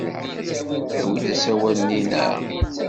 Awi-d asawal-nni, naɣ?